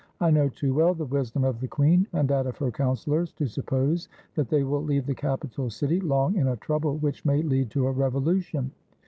I know too well the wisdom of the queen and that of her councilors to suppose that they will leave the capital city long in a trouble which may lead to a revo lution."